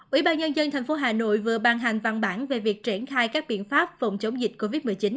ủy ban nhân dân tp hà nội vừa ban hành văn bản về việc triển khai các biện pháp phòng chống dịch covid một mươi chín